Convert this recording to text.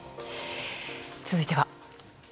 続いては。